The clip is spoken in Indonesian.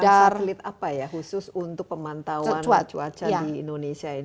kita menggunakan satelit apa ya khusus untuk pemantauan cuaca di indonesia ini